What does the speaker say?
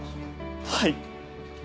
はい！